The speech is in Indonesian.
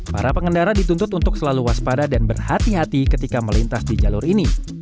para pengendara dituntut untuk selalu waspada dan berhati hati ketika melintas di jalur ini